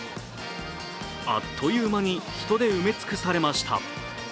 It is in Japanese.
あっという間に人で埋め尽くされました。